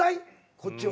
こっちは。